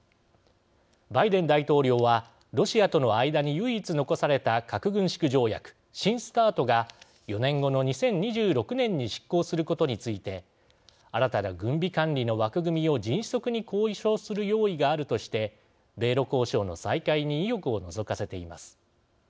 バイデン大統領はロシアとの間に唯一残された核軍縮条約、新ＳＴＡＲＴが４年後の２０２６年に失効することについて新たな軍備管理の枠組みを迅速に交渉する用意があるとして米ロ交渉の再開に意欲をのぞかせています。